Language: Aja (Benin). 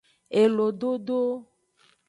Elododo.